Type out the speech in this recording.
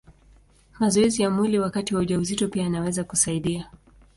Mazoezi ya mwili wakati wa ujauzito pia yanaweza kusaidia.